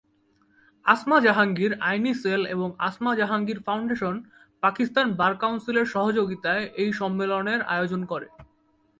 আসমা জাহাঙ্গীর আইনী সেল এবং Asma Jahangir foundation Pakistan bar কাউন্সিলের সহযোগিতায় এই সম্মেলনের আয়োজন করে।